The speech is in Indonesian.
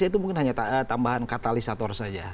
itu mungkin hanya tambahan katalisator saja